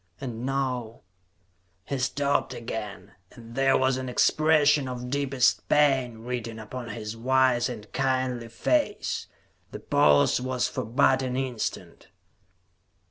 And now " He stopped again, and there was an expression of deepest pain written upon his wise and kindly face. The pause was for but an instant.